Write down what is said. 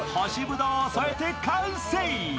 ぶどうを添えて完成。